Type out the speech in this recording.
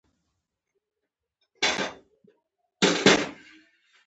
د همدغو قبایلو خلک دي.